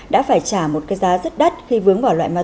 đã phải trả một cái giá rất đắt khi vướng vào loại ma túy